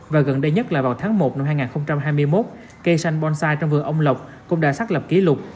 và gần đây nhất là vào tháng một năm hai nghìn hai mươi một cây xanh bonsai trong vườn ông lộc cũng đã xác lập kỷ lục